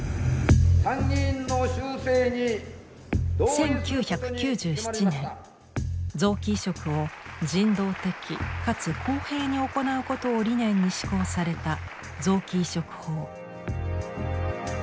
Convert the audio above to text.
１９９７年臓器移植を人道的かつ公平に行うことを理念に施行された臓器移植法。